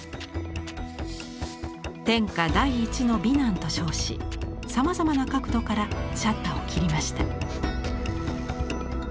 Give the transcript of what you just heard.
「天下第一の美男」と称しさまざまな角度からシャッターを切りました。